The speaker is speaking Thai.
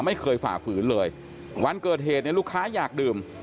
ไม่เคยฝ่าฝืนเลยวันเกิดเหตุในลูกค้าอยากดื่ม